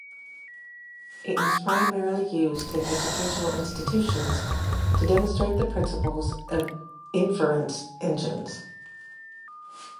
It is primarily used in educational institutions to demonstrate the principles of inference engines.